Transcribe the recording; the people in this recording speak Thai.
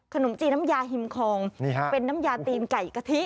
ขนมจีนน้ำยาฮิมคองเป็นน้ำยาตีนไก่กะทิ